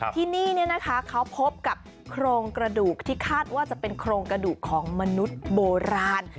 ที่นี่นะคะเขาพบกับโครงกระดูกที่คาดว่าจะเป็นโครงกระดูกของมนุษย์โบราณ